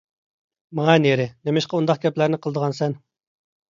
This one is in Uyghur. — ماڭە نېرى، نېمىشقا ئۇنداق گەپلەرنى قىلىدىغانسەن؟